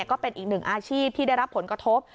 ก็เป็นอีกหนึ่งอาชีพที่ได้รับผลกระทบ